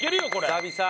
久々。